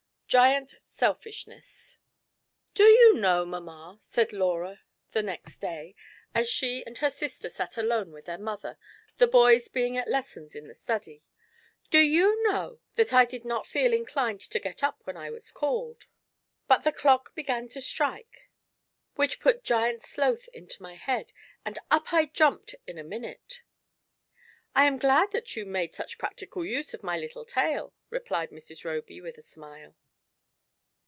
GIANT SELVIBBNR3S VO you know, mamma," said Laura the next day, aa slic and her siatcr sat alone with their mother, the boys being at lessons in the study —" do you know that I did not feel inclined to get up when I was called; but the clock began to strike, which put Giant Sloth into my head, and up I jumped in a minute!" "I am glad that you made such practical use of my Ettle tale," replied Mrs. Roby, with a amile.